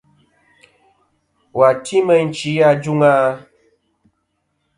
Wà ti meyn chi ajûŋ a?